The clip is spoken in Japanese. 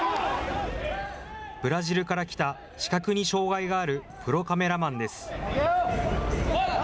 ブラジルから来た視覚に障害があるプロカメラマンです。